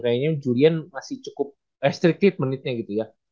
kayaknya jurian masih cukup restricted menitnya gitu ya